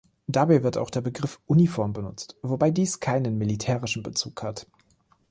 Dabei wird auch der Begriff Uniform benutzt, wobei dies keinen militärischen Bezug hat.